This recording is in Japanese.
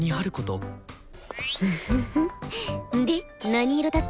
何色だった？